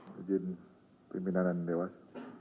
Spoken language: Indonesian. sejen pimpinan dan dewas